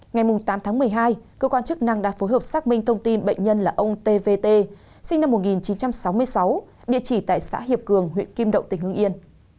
ngày tám tháng một mươi hai cơ quan chức năng đã phối hợp xác minh thông tin bệnh nhân là ông tvt sinh năm một nghìn chín trăm sáu mươi sáu địa chỉ tại xã hiệp cường huyện kim động tỉnh hưng yên